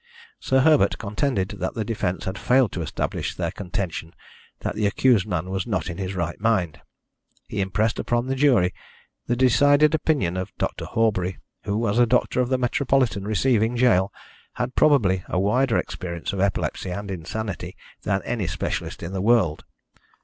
Sir Herbert contended that the defence had failed to establish their contention that the accused man was not in his right mind. He impressed upon the jury the decided opinion of Dr. Horbury, who, as doctor of the metropolitan receiving gaol, had probably a wider experience of epilepsy and insanity than any specialist in the world.